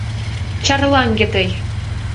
Чарлаҥге тый!